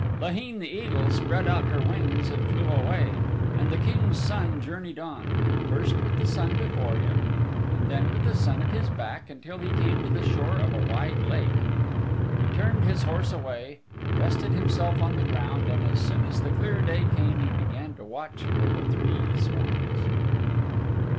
Laheen the Eagle spread out her wings and flew away, and the King's Son journeyed on, first with the sun before him and then with the sun at his back, until he came to the shore of a wide lake. He turned his horse away, rested himself on the ground, and as soon as the clear day came he began to watch for the three swans.